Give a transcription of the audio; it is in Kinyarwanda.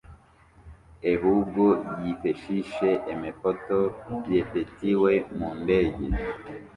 ehubwo yifeshishe emefoto yefetiwe mu ndege